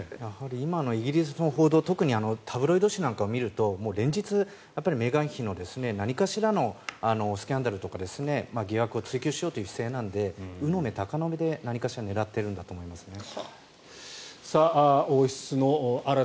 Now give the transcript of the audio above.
今のイギリスの報道特にタブロイド紙なんかを見ると連日、メーガン妃の何かしらのスキャンダルとか疑惑を追及しようという姿勢なので、鵜の目鷹の目で何かしら狙っているんだと思いますね。